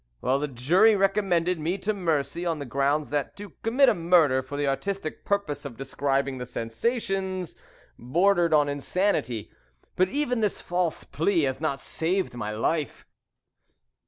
The jury recommended me to mercy on the ground that to commit a murder for the artistic purpose of describing the sensations bordered on insanity; but even this false plea has not saved my life.